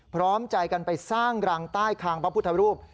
พร้อมใจกันไปสร้างรังใต้คางพระพุทธรูป